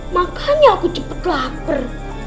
makanya aku cepet lapar